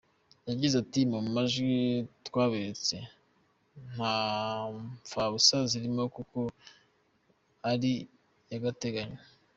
Yagize ati “Mu majwi twaberetse nta mfabusa zirimo kuko ari ay’agateganyo.